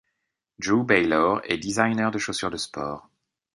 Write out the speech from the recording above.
Drew Baylor est designer de chaussures de sport.